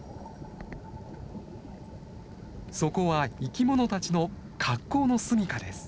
そこは生きものたちの格好の住みかです。